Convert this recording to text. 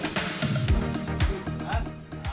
selain untuk turnamen